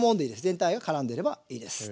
全体がからんでればいいです。